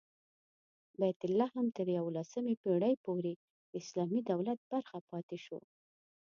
بیت لحم تر یوولسمې پېړۍ پورې د اسلامي دولت برخه پاتې شو.